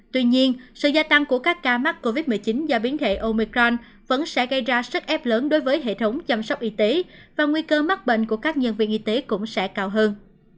tuy nhiên sự gia tăng của các ca mắc covid một mươi chín do biến thể omicron vẫn sẽ gây ra sức ép lớn đối với hệ thống chăm sóc y tế và nguy cơ mắc bệnh của các nhân viên y tế cũng sẽ cao hơn